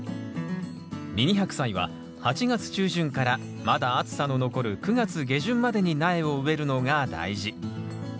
ミニハクサイは８月中旬からまだ暑さの残る９月下旬までに苗を植えるのが大事。